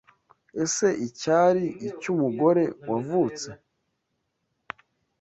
'Ese icyari icy'umugore wavutse